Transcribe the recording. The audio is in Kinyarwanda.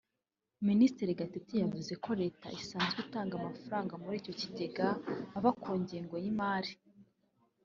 Minisitiri Gatete yavuze ko Leta isanzwe itanga amafaranga muri icyo kigega ava ku ngengo y’imari